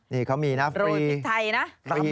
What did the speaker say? นี่เขามีนะฟรีโรงพิธีไทยนะ